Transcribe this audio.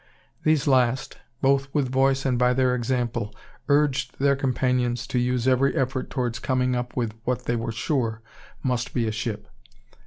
These last both with voice and by their example urged their companions to use every effort towards coming up with what they were sure must be a ship.